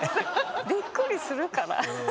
びっくりするからフフフ。